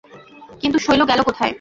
— কিন্তু শৈল গেল কোথায়?